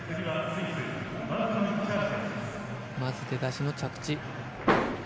まず、出だしの着地。